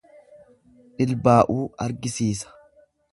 Dhilbaa'uu argisiisa.